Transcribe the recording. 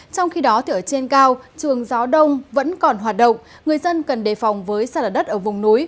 trong khi đó thì ở trên cao trường gió đông vẫn còn hoạt động người dân cần đề phòng với xa lở đất ở vùng núi